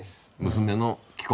娘の希子。